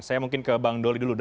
saya mungkin ke bang doli dulu